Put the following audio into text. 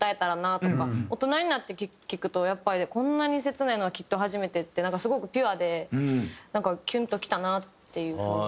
大人になって聴くとやっぱり「こんなに切ないのはきっと初めて」ってなんかすごくピュアでキュンときたなっていう風に。